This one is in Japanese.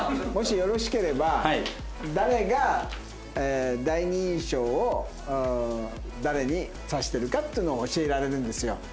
もしよろしければ誰が第二印象を誰に指してるかっていうのを教えられるんですよ。